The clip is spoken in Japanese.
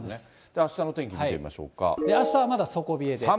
あしたの天気見てみましょうあしたはまだ底冷えで。